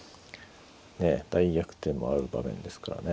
ねえ大逆転もある場面ですからね。